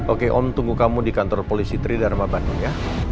oke om tunggu kamu di kantor polisi tridharma bandung ya